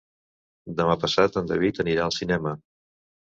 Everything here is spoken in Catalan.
Demà passat en David anirà al cinema.